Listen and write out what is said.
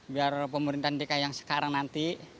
biar pemerintahan dki yang sekarang nanti